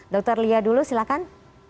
dr lia dulu silakan